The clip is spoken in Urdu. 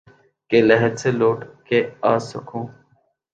کہ لحد سے لوٹ کے آسکھوں